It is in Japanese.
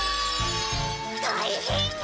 たいへんだ！